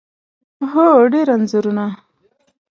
هو، ډیر انځورونه